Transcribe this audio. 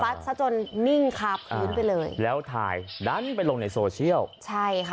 ซะจนนิ่งคาพื้นไปเลยแล้วถ่ายดันไปลงในโซเชียลใช่ค่ะ